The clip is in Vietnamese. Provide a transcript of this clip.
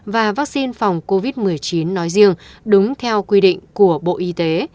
và vaccine phòng covid một mươi chín nói riêng đúng theo quy định của bộ y tế